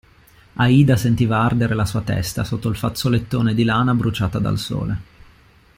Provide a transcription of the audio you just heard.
Aida sentiva ardere la sua testa sotto il fazzolettone di lana bruciata dal sole.